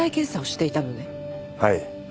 はい。